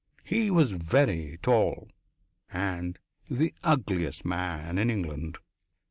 He was very tall and the ugliest man in England.